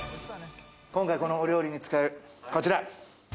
今回、このお料理に使うこちら。